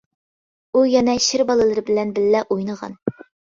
ئۇ يەنە شىر بالىلىرى بىلەن بىللە ئوينىغان.